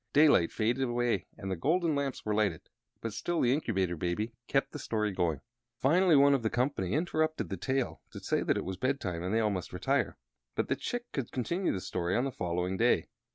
Daylight faded away and the golden lamps were lighted, but still the Incubator Baby kept the story going. Finally one of the company interrupted the tale to say that it was bedtime and they must all retire, but that Chick should continue the story on the following day.